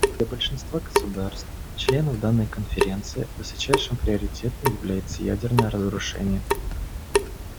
Для большинства государств − членов данной Конференции высочайшим приоритетом является ядерное разоружение.